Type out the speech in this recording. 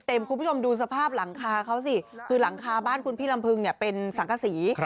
คุณผู้ชมดูสภาพหลังคาเขาสิคือหลังคาบ้านคุณพี่ลำพึงเนี่ยเป็นสังกษี